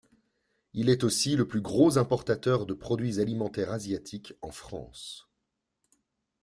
Il est aussi le plus gros importateur de produits alimentaires asiatiques en France.